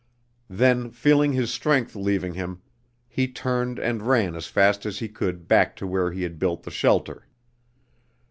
Then feeling his strength leaving him, he turned and ran as fast as he could back to where he had built the shelter.